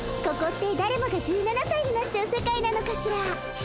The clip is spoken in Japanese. ここってだれもが１７さいになっちゃう世界なのかしら。